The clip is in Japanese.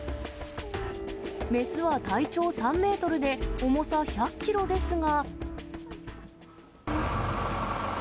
雌は体長３メートルで重さ１００キロですが。